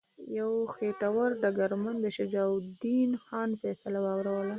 یو خیټور ډګرمن د شجاع الدین خان فیصله واوروله.